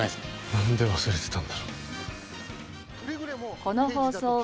なんで忘れてたんだろう。